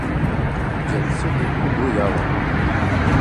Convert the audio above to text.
Џьансыхә игәы иалан.